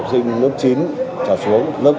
tại cơ sở này